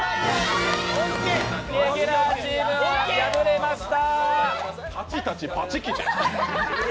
レギュラーチームは敗れました！